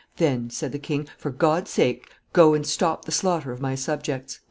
"Then," said the king, "for God's sake, go and stop the slaughter of my subjects."